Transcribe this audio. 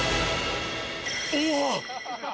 うわっ！